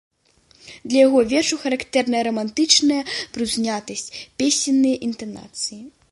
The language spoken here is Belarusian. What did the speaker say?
Для яго вершаў характэрна рамантычная прыўзнятасць, песенныя інтанацыі.